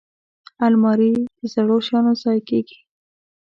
الماري د زړو شیانو ځای کېږي